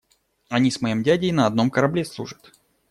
Они с моим дядей на одном корабле служат.